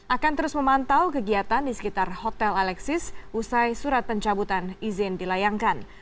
akan terus memantau kegiatan di sekitar hotel alexis usai surat pencabutan izin dilayangkan